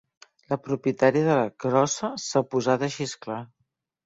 La propietària de la crossa s'ha posat a xisclar.